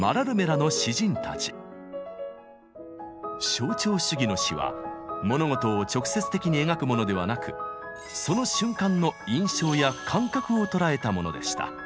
象徴主義の詩は物事を直接的に描くものではなくその瞬間の印象や感覚を捉えたものでした。